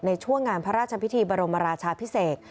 ในช่วงงานพระราชพิธีบรมราชาพิเศษ